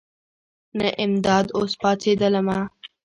نه امدا اوس پاڅېدلمه.